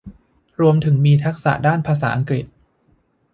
รวมถึงมีทักษะด้านภาษาอังกฤษ